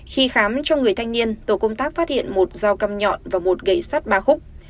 khi khám cho người thanh niên tổ công tác phát hiện một dao cam nhọn và một gậy sắt ba khúc